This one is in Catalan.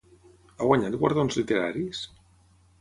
Ha guanyat guardons literaris?